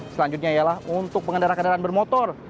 selanjutnya ialah untuk pengendara kendaraan bermotor